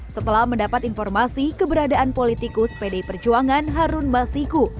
setelah mendapat informasi keberadaan politikus pdi perjuangan harun masiku